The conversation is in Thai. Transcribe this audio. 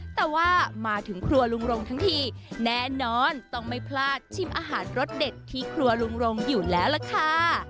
แต่ว่ามาถึงครัวลุงรงทั้งทีแน่นอนต้องไม่พลาดชิมอาหารรสเด็ดที่ครัวลุงรงอยู่แล้วล่ะค่ะ